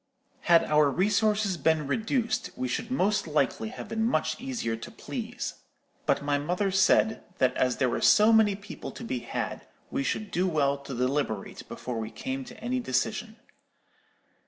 "Had our resources been reduced, we should most likely have been much easier to please; but my mother said, that as there were so many people to be had, we should do well to deliberate before we came to any decision.